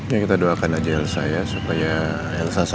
ya kita doakan aja elsa ya supaya elsa sadar